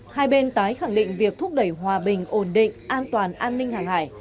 hai bên tái khẳng định việc thúc đẩy hòa bình ổn định an toàn an ninh hàng hải